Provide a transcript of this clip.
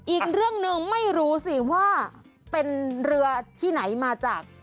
อีกเรื่องหนึ่งไม่รู้สิว่าเป็นเรือที่ไหนมาจาก